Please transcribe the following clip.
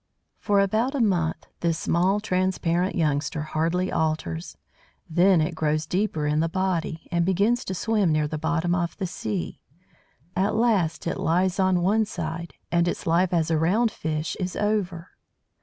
For about a month this small, transparent youngster hardly alters. Then it grows deeper in the body, and begins to swim near the bottom of the sea. At last it lies on one side, and its life as a "round" fish is over.